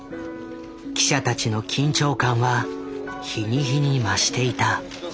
記者たちの緊張感は日に日に増していた。